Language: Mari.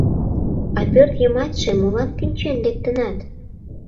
— А пӧрт йымачше молан кӱнчен лектынат?